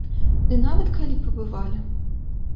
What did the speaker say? Ды нават калі б і бывалі!